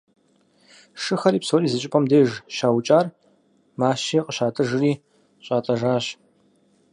Шыхэр псори зы щӏыпӏэм деж щаукӏащ, мащи къыщатӏыжри щӏатӏэжащ.